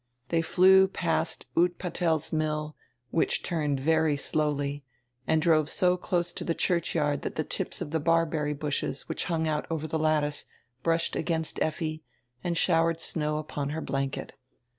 They flew past Utpatel's mill, which turned very slowly, and drove so close to the churchyard that the tips of the barberry bushes which hung out over the lattice brushed against Effi, and showered snow upon her blanket.